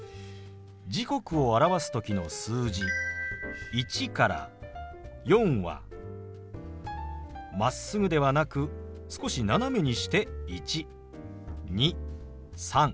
時刻を表す時の数字１から４はまっすぐではなく少し斜めにして１２３４。